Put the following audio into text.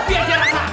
biar saya rasa